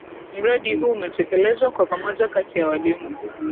Mradi huu umetekelezwa kwa pamoja kati ya walimu.